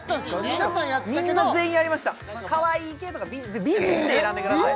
皆さんやったけどみんな全員やりましたかわいい系とか美人で選んでください